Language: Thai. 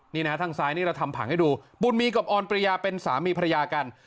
นี่นะทางซ้ายนี่เราทำผังให้ดูบุญมีกับออนปริยาเป็นสามีภรรยากัน